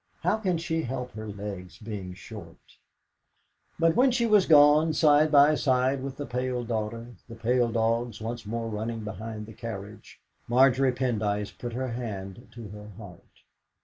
how can she help her legs being short?' But when she was gone, side by side with the pale daughter, the pale dogs once more running behind the carriage, Margery Pendyce put her hand to her heart.